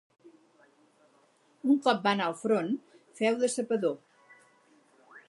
Un cop va anar al front, féu de sapador.